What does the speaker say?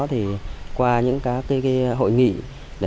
thì qua những cái hỗ trợ của bà con thì cũng đã có những cái đóng góp đó